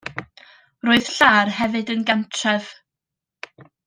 Roedd Ilar hefyd yn gantref.